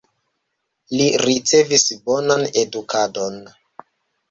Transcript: Li ricevis bonan edukadon.